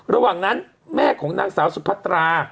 ระหว่างนั้นแม่ของนางสาวสุพัตรา